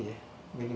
data kegembaan minim